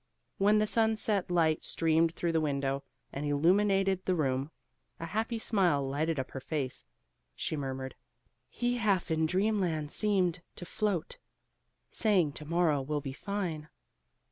When the sunset light streamed through the window and illuminated the room, a happy smile lighted up her face. She murmured: "He half in dreamland seemed to float Saying 'to morrow will be fine.'"